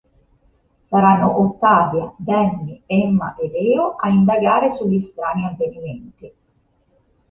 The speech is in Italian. Saranno Ottavia, Danny, Emma e Leo a indagare sugli strani avvenimenti.